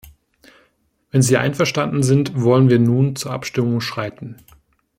Wenn Sie einverstanden sind, wollen wir nun zur Abstimmung schreiten.